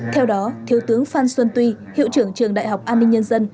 theo đó thiếu tướng phan xuân tuy hiệu trưởng trường đại học an ninh nhân dân